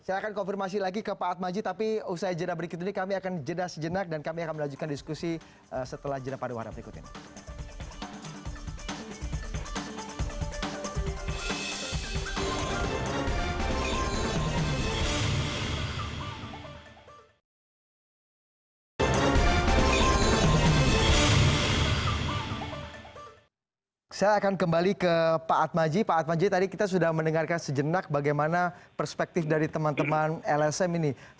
saya akan konfirmasi lagi ke pak atmaji tapi usai jeda berikut ini kami akan jeda sejenak dan kami akan melanjutkan diskusi setelah jeda pada waktu berikut ini